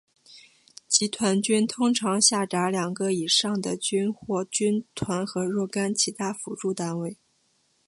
集团军通常下辖两个以上的军或军团和若干其他辅助单位。